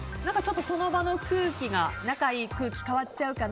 その場の空気が仲いい空気が変わっちゃうかな